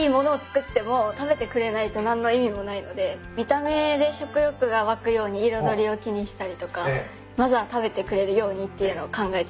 見た目で食欲が湧くように彩りを気にしたりとかまずは食べてくれるようにっていうのを考えてます。